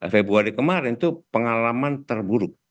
februari kemarin itu pengalaman terburuk